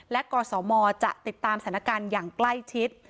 และกสมจะติดตามสถานการณ์อย่างใกล้ชิด